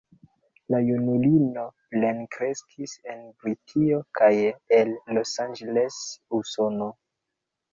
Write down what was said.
La junulino plenkreskis en Britio kaj en Los Angeles, Usono.